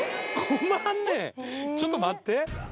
ちょっと待って！